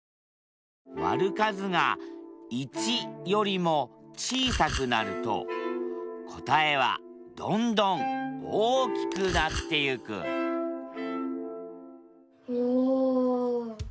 割る数が１よりも小さくなると答えはどんどん大きくなってゆくおお！